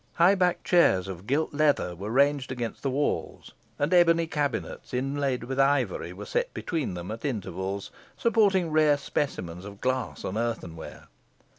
High backed chairs of gilt leather were ranged against the walls, and ebony cabinets inlaid with ivory were set between them at intervals, supporting rare specimens of glass and earthenware.